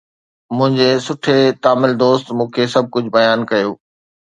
منهنجي سٺي تامل دوست مون کي سڀ ڪجهه بيان ڪيو